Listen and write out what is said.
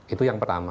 itu yang pertama